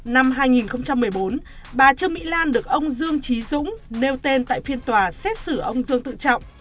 năm hai nghìn một mươi bốn bà trương mỹ lan được ông dương trí dũng nêu tên tại phiên tòa xét xử ông dương tự trọng